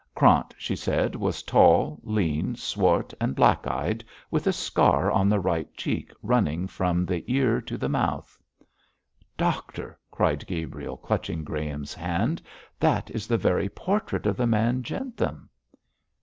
Krant, she said, was tall, lean, swart and black eyed, with a scar on the right cheek running from the ear to the mouth. Doctor!' cried Gabriel, clutching Graham's hand, 'that is the very portrait of the man Jentham.'